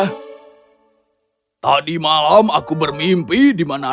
ya tadi malam aku bermimpi di manara